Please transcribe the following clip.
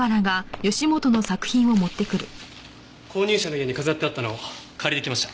購入者の家に飾ってあったのを借りてきました。